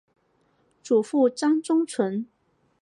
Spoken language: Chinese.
祖父张宗纯。